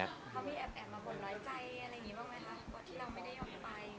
เขามีแอบแอบมาบ่นร้อยใจอะไรอย่างนี้บ้างไหมครับ